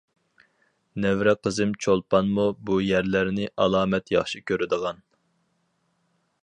-نەۋرە قىزىم چولپانمۇ بۇ يەرلەرنى ئالامەت ياخشى كۆرىدىغان.